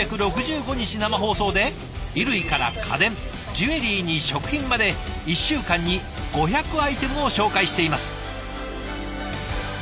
生放送で衣類から家電ジュエリーに食品まで１週間に５００アイテムを紹介しています。